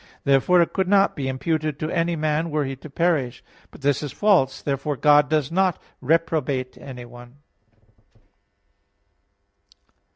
Therefore it could not be imputed to any man, were he to perish. But this is false. Therefore God does not reprobate anyone.